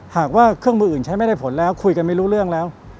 หากว่าเครื่องมืออื่นใช้ไม่ได้ผลแล้วคุยกันไม่รู้เรื่องแล้ว